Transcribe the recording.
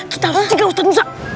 kita harus tinggal ustadz musa